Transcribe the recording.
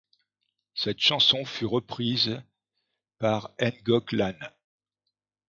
Cette chanson fut reprise par Ngọc Lan.